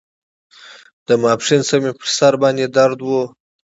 له ماسپښينه مې پر سر باندې درد و.